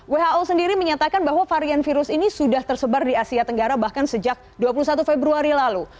who sendiri menyatakan bahwa varian virus ini sudah tersebar di asia tenggara bahkan sejak dua puluh satu februari lalu